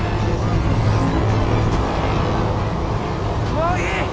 もういい！